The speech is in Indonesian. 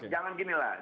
jangan gini lah